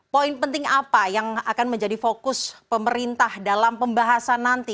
poin penting apa yang akan menjadi fokus pemerintah dalam pembahasan nanti